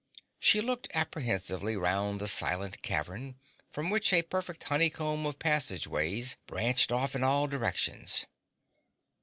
She looked apprehensively round the silent cavern, from which a perfect honeycomb of passageways branched off in all directions.